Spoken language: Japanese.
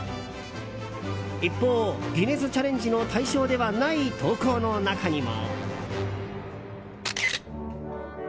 一方、ギネスチャレンジの対象ではない投稿の中にも。